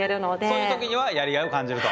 そういう時にはやりがいを感じると。